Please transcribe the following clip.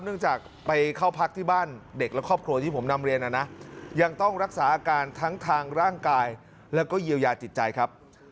เนื่องจากไปเข้าพักที่บ้านเด็กและครอบครัวที่ผมนำเรียนนะนะยังต้องรักษาอาการทั้งทางร่างกายแล้วก็เยียวยาจิตใจครับ